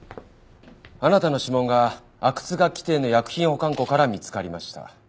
あなたの指紋が阿久津楽器店の薬品保管庫から見つかりました。